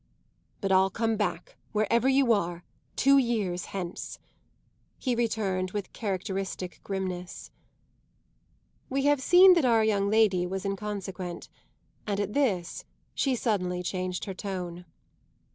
"But I'll come back, wherever you are, two years hence," he returned with characteristic grimness. We have seen that our young lady was inconsequent, and at this she suddenly changed her note.